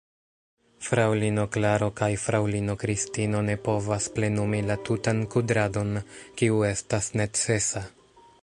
Fraŭlino Klaro kaj fraŭlino Kristino ne povas plenumi la tutan kudradon, kiu estas necesa.